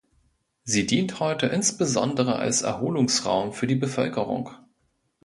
Sie dient heute insbesondere als Erholungsraum für die Bevölkerung.